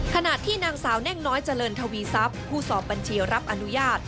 ขณะที่นางสาวแน่งน้อยเจริญทวีทรัพย์ผู้สอบบัญชีรับอนุญาต